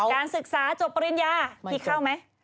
การศึกษาจบปริญญาพี่เข้าไหม